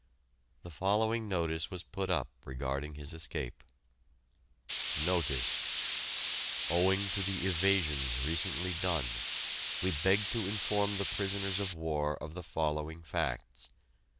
The following notice was put up regarding his escape: NOTICE! Owing to the evasions recently done, we beg to inform the prisoners of war of the following facts.